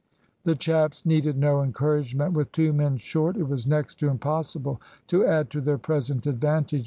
The chaps needed no encouragement. With two men short it was next to impossible to add to their present advantage.